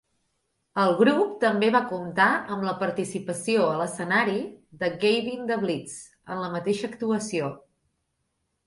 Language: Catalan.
El grup també va comptar amb la participació a l'escenari de Gavin da Blitz en la mateixa actuació.